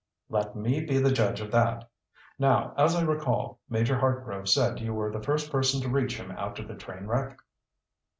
"Let me be the judge of that. Now as I recall, Major Hartgrove said you were the first person to reach him after the train wreck."